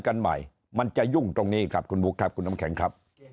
กันใหม่มันจะยุ่งตรงนี้ครับคุณบุคคุณอมแข่งครับที่